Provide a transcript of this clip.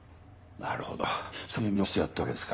なるほどそれで見逃してやったわけですか。